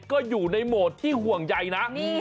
ก็อยู่ในโหมดที่ห่วงใยนะ